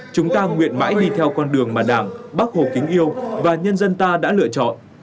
chúng ta nguyện mãi đi theo con đường mà đảng bác hồ kính yêu và nhân dân ta đã lựa chọn